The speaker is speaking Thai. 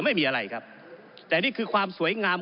ก็ได้มีการอภิปรายในภาคของท่านประธานที่กรกครับ